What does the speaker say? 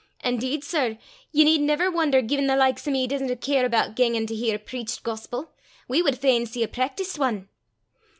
An', 'deed, sir, ye need never won'er gien the likes o' me disna care aboot gangin' to hear a preacht gospel: we wad fain see a practeesed ane!